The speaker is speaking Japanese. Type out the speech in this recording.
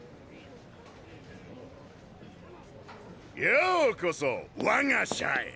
ようこそ我が社へ。